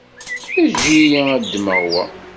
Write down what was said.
Eǧǧ-iyi ad ddmeɣ wa.